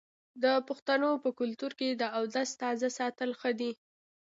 د پښتنو په کلتور کې د اودس تازه ساتل ښه دي.